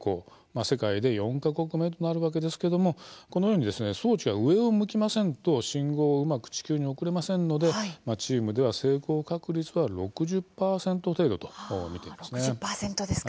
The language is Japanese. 世界で４か国目となるわけですけどもこのように、装置が上を向きませんと信号をうまく地球に送れませんのでチームでは、成功確率は６０％程度と見ていますね。